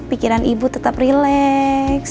pikiran ibu tetap relax